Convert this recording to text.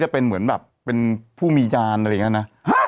ความอำมะหิตผิดมนุษย์มานานอะ